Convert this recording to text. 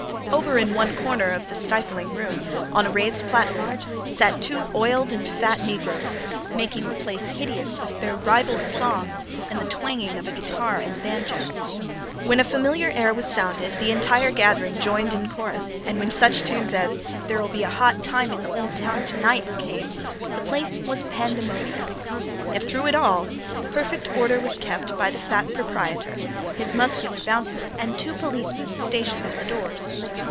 Over in one corner of the stifling room, on a raised platform, sat two oily and fat negroes, making the place hideous with their ribald songs and the twanging of a guitar and banjo. When, a familiar air was sounded the entire gathering joined in chorus, and when such tunes as "There'll Be a Hot Time in the Old Town Tonight" came, the place was pandemonium. Yet through it all perfect order was kept by the fat proprietor, his muscular "bouncer" and two policemen stationed at the doors.